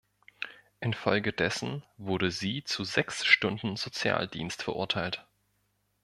Infolgedessen wurde sie zu sechs Stunden Sozialdienst verurteilt.